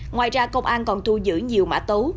ngoài ra công an còn thu giữ nhiều mã tấu